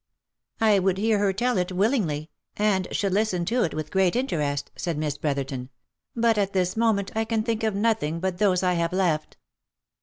" I would hear her tell it willingly, and should listen to it with great interest," said Miss Brotherton. " But at this moment I can think of nothing but those I have left."